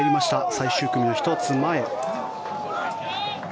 最終組の１つ前。